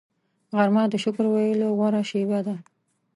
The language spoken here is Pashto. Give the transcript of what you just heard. غرمه د شکر ویلو غوره شیبه ده